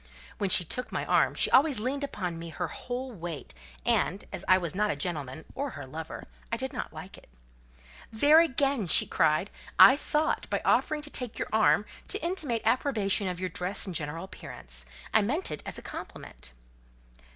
When she took my arm, she always leaned upon me her whole weight; and, as I was not a gentleman, or her lover, I did not like it. "There, again!" she cried. "I thought, by offering to take your arm, to intimate approbation of your dress and general appearance: I meant it as a compliment."